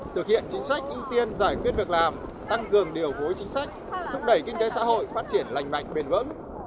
thực hiện chính sách ưu tiên giải quyết việc làm tăng cường điều phối chính sách thúc đẩy kinh tế xã hội phát triển lành mạnh bền vững